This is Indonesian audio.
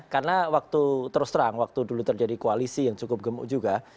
karena waktu terus terang waktu dulu terjadi koalisi yang cukup gemuk juga